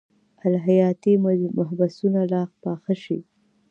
الهیاتي مبحثونه لا پاخه شي.